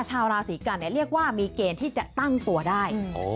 ชาวราศีกันเรียกว่ามีเกณฑ์ที่จะตั้งตัวได้